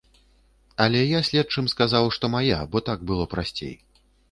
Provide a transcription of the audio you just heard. Але я следчым сказаў, што мая, бо так было прасцей.